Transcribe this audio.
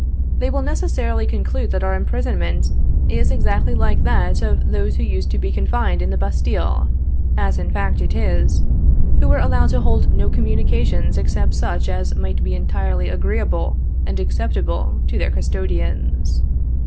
They will necessarily conclude that our imprisonment is exactly like that of those who used to be confined in the Bastile, (as in fact it is,) who were allowed to hold no communications except such as might be entirely agreeable and acceptable to their custodians.